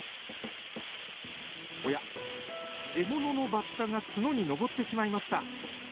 おや獲物のバッタが角に上ってしまいました。